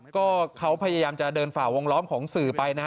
ก็เขาพยายามจะเดินฝ่าวงล้อมของสื่อไปนะฮะ